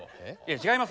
違います。